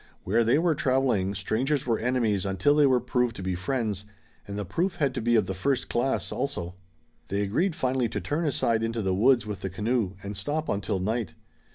Where they were traveling strangers were enemies until they were proved to be friends, and the proof had to be of the first class, also. They agreed finally to turn aside into the woods with the canoe, and stop until night.